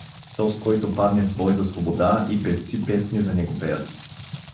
Тоз, който падне в бой за свобода, и певци песни за него пеят.